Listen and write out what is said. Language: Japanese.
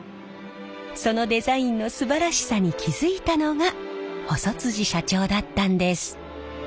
そのデザインのすばらしさに気付いたのが細社長だったんです。